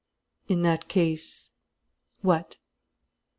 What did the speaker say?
"In that case " "What?"